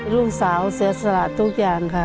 ลูกสาวเสียสละทุกอย่างค่ะ